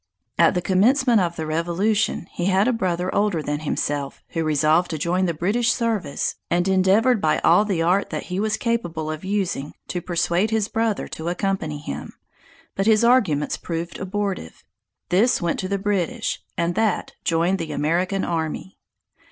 At the commencement of the revolution he had a brother older than himself, who resolved to join the British service, and endeavored by all the art that he was capable of using to persuade his brother to accompany him; but his arguments proved abortive. This went to the British, and that joined the American army.